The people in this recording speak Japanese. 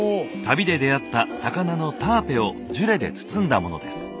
旅で出会った魚のタアペをジュレで包んだものです。